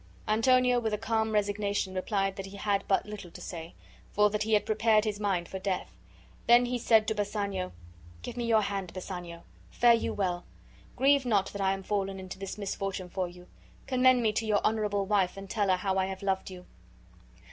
Antonio with a calm resignation replied that he had but little to say, for that he had prepared his mind for death. Then he said to Bassanio: "Give me your hand, Bassanio! Fare you well! Grieve not that I am fallen into this misfortune for you. Commend me to your honorable wife and tell her how I have loved you!"